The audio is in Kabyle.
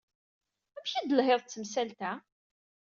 Amek ay d-telhiḍ ed temsalt-a?